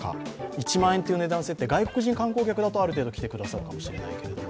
１万円という値段設定、外国人観光客だとある程度来てくださるかもしれないけど。